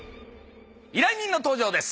依頼人の登場です。